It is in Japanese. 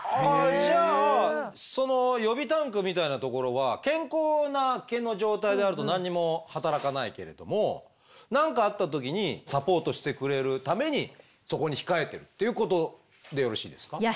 じゃあその予備タンクみたいなところは健康な毛の状態であると何にも働かないけれども何かあった時にサポートしてくれるためにそこに控えてるということでよろしいですか？